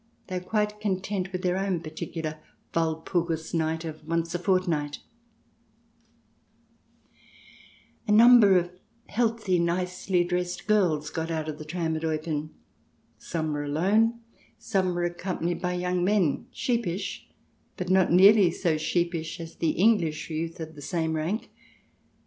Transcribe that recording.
They are quite content with their own particular Walpurgis night of once a fortnight. 58 THE DESIRABLE ALIEN [ch. v A number of healthy, nicely dressed girls got out of the tram at Eupen. Some were alone, some were accompanied by young men, sheepish, but not nearly so sheepish as the English youth of the same rank.